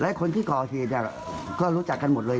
แล้วคนที่ก่อทีนี่ก็รู้จักกันหมดเลย